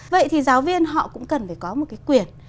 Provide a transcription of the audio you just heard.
vậy thì giáo viên họ cũng cần phải có một cái quyền